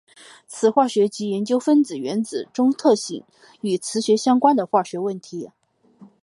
磁化学即研究分子原子中特性与磁学相关的化学问题。